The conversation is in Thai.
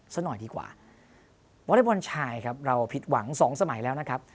ส่วนหน่อยดีกว่าวลัยวันชัยครับเราผิดหวังสองสมัยแล้วนะครับ